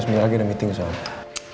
sebentar lagi ada meeting soalnya